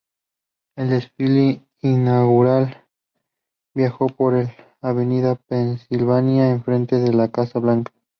El desfile inaugural viajó por la Avenida Pensilvania, en frente de la Casa Blanca.